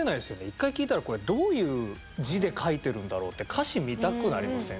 一回聴いたらこれどういう字で書いてるんだろうって歌詞見たくなりません？